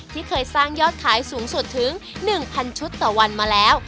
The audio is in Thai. ที่เคยสร้างยอดขายสูงสุดถึง๑๐๐ชุดต่อวันมาแล้ว